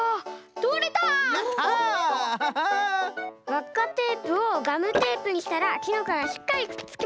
わっかテープをガムテープにしたらキノコがしっかりくっつきました！